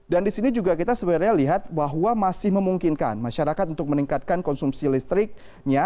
dan di sini juga kita sebenarnya lihat bahwa masih memungkinkan masyarakat untuk meningkatkan konsumsi listriknya